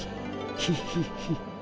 ヒヒヒ。